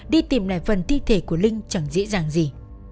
đi tìm lại phần thi thể của linh chẳng dễ dàng gì